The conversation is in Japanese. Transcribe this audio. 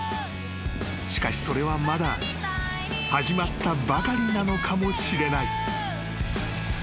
［しかしそれはまだ始まったばかりなのかもしれない］